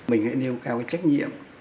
mình hãy nêu cao cái trách nhiệm